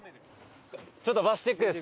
ちょっとバスチェックです